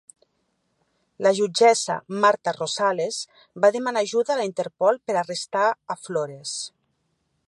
La jutgessa Marta Rosales va demanar ajuda a la Interpol per arrestar a Flores.